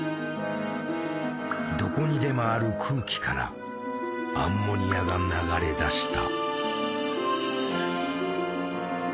どこにでもある空気からアンモニアが流れ出した。